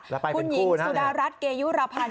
แล้วไปเป็นคู่นะคุณหญิงสุดารัฐเกยุรพันธ์